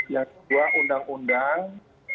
yang kedua undang undang